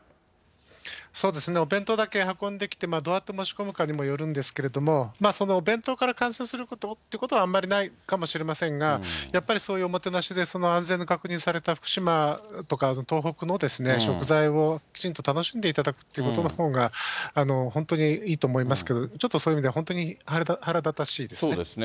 そうですね、お弁当だけ運んできて、どうやって持ち込むかにもよるんですけれども、そのお弁当から感染するってことは、あんまりないかもしれませんが、やっぱりそういうおもてなしで、その安全が確認された福島とか東北の食材をきちんと楽しんでいただくってことのほうが、本当にいいと思いますけれども、ちょっとそういう意味では、腹立たしいですね。